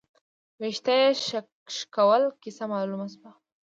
، وېښته يې شکول، کيسه مالومه شوه